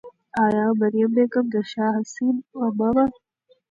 آیا مریم بیګم د شاه حسین عمه وه؟